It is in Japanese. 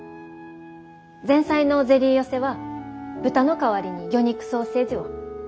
前菜のゼリー寄せは豚の代わりに魚肉ソーセージを。